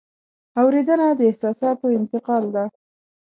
اورېدنه د احساساتو انتقال ده.